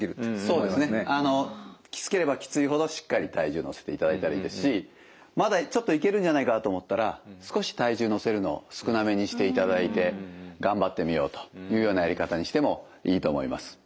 そうですねあのきつければきついほどしっかり体重乗せていただいたらいいですしまだちょっといけるんじゃないかなと思ったら少し体重乗せるのを少なめにしていただいて頑張ってみようというようなやり方にしてもいいと思います。